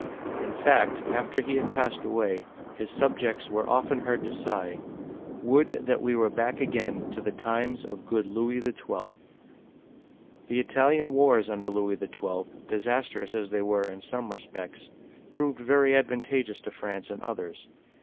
In fact, after he had passed away, his subjects were often heard to sigh, "Would that we were back again to the times of good Louis XIL!" The Italian Wars under Louis XII., disastrous as they were in some re spects, proved very advantageous to France in others.